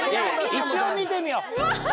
一応見てみよう。